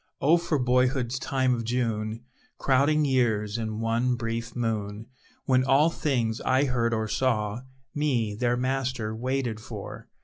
Oh for boyhood's time of June, Crowding years in one brief moon, When all things I heard or saw, Me, their master, waited for.